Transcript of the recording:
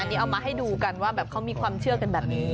อันนี้เอามาให้ดูกันว่าแบบเขามีความเชื่อกันแบบนี้